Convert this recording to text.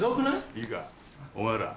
いいかお前ら。